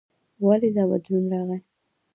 ولې دا بدلون راغلی؟